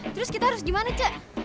terus kita harus gimana cak